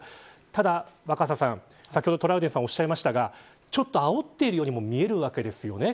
ただ、若狭さん先ほどトラウデンさんがおっしゃいましたがちょっと、あおっているようにも見えるわけです。